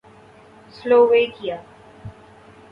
Slovakia